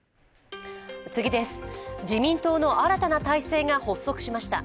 自民党の新たな体制が発足しました。